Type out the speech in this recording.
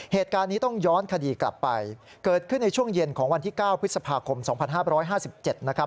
เหตุการณ์นี้ต้องย้อนคดีกลับไปเกิดขึ้นในช่วงเย็นของวันที่๙พฤษภาคม๒๕๕๗นะครับ